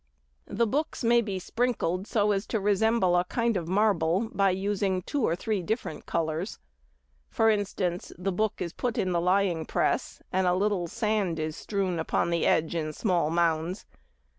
The books may be sprinkled so as to resemble a kind of marble by using two or three different colours. For instance, the book is put in the lying press and a little sand is strewn upon the edge in small mounds.